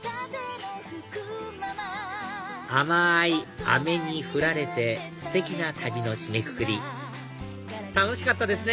甘いあめに降られてステキな旅の締めくくり楽しかったですね！